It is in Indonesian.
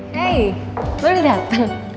hei baru dateng